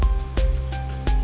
aku mau pulang dulu ya mas